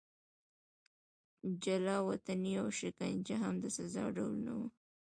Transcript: جلا وطني او شکنجه هم د سزا ډولونه وو.